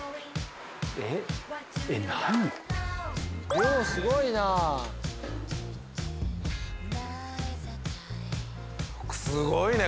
量すごいなすごいね